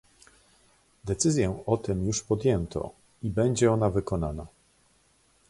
Decyzję o tym już podjęto i będzie ona wykonana